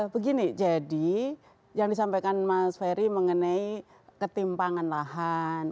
begini jadi yang disampaikan mas ferry mengenai ketimpangan lahan